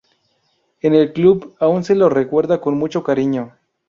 En el club aún se lo recuerda con mucho cariño.